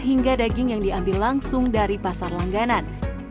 hingga daging yang diambil langsung dari pasar langganan